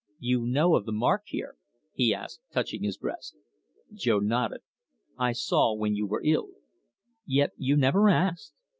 "You know of the mark here?" he asked, touching his breast. Jo nodded. "I saw, when you were ill." "Yet you never asked!"